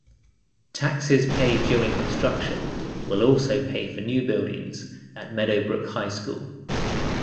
Taxes paid during construction will also pay for new buildings at Meadowbrook High School.